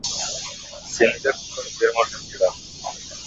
Senga ko‘proq termulgim kelar